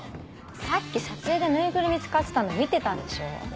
さっき撮影で縫いぐるみ使ってたの見てたでしょ。